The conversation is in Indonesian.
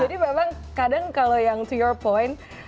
jadi memang kadang kalau yang to your point